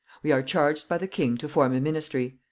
We are charged by the king to form a ministry.